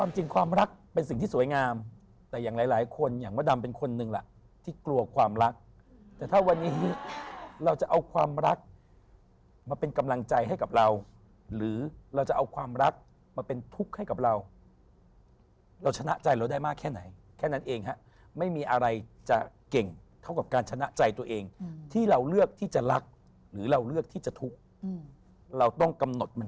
จริงความรักเป็นสิ่งที่สวยงามแต่อย่างหลายคนอย่างมดดำเป็นคนหนึ่งล่ะที่กลัวความรักแต่ถ้าวันนี้เราจะเอาความรักมาเป็นกำลังใจให้กับเราหรือเราจะเอาความรักมาเป็นทุกข์ให้กับเราเราชนะใจเราได้มากแค่ไหนแค่นั้นเองฮะไม่มีอะไรจะเก่งเท่ากับการชนะใจตัวเองที่เราเลือกที่จะรักหรือเราเลือกที่จะทุกข์เราต้องกำหนดมัน